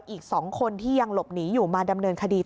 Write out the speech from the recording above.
อีก๒คนที่ยังหลบหนีอยู่มาดำเนินคดี